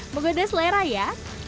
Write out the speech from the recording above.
menggoda selera ya